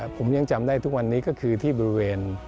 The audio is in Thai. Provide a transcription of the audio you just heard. ผมยังจำได้ทุกวันนี้ก็คือที่บริเวณ